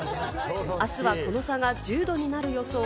あすはこの差が１０度になる予想。